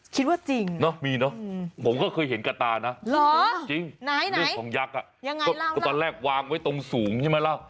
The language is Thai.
คิดว่าจริงเนอะมีเนอะผมก็เคยเห็นกระตานะจริงเรื่องของยักษ์ตอนแรกวางไว้ตรงสูงใช่ไหมล่ะ